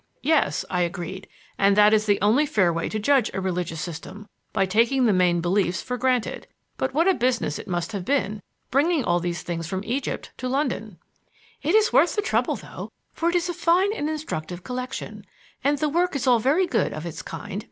"Yes," I agreed, "and that is the only fair way to judge a religious system, by taking the main beliefs for granted. But what a business it must have been, bringing all these things from Egypt to London." "It is worth the trouble, though, for it is a fine and instructive collection. And the work is all very good of its kind.